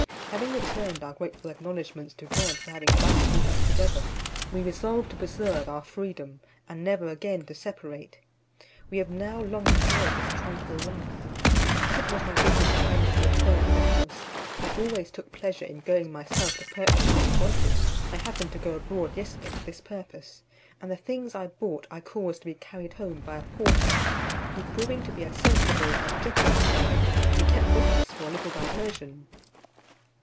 Having returned our grateful acknowledgments to God for having thus brought us together, we resolved to preserve our freedom, and never again to separate. We have now long enjoyed this tranquil life. As it was my business to manage the affairs of the house, I always took pleasure in going myself to purchase what we wanted. I happened to go abroad yesterday for this purpose, and the things I bought I caused to be carried home by a porter, who proving to be a sensible and jocose fellow, we kept with us for a little diversion.